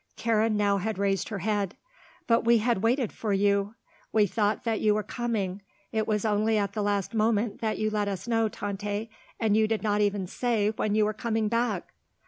Karen now had raised her head. "But we had waited for you. We thought that you were coming. It was only at the last moment that you let us know, Tante, and you did not even say when you were coming back."